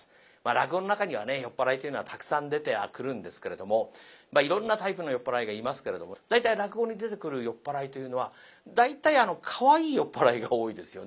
落語の中にはね酔っ払いというのはたくさん出てはくるんですけれどもいろんなタイプの酔っ払いがいますけれども大体落語に出てくる酔っ払いというのは大体かわいい酔っ払いが多いですよね。